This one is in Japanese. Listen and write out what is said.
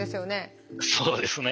そうですね。